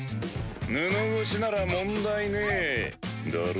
布越しなら問題ねぇだろ？